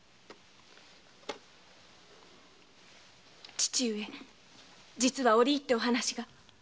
父上実は折り入ってお話が。